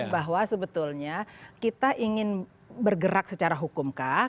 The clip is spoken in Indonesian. bahwa sebetulnya kita ingin bergerak secara hukum kah